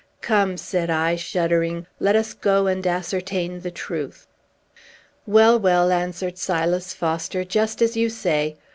"Come," said I, shuddering; "let us go and ascertain the truth." "Well, well," answered Silas Foster; "just as you say.